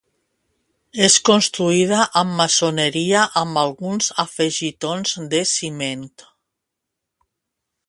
És construïda amb maçoneria amb alguns afegitons de ciment.